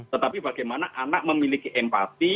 tetapi bagaimana anak memiliki empati